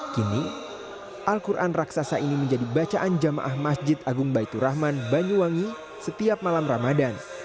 kini al quran raksasa ini menjadi bacaan jamaah masjid agung baitur rahman banyuwangi setiap malam ramadan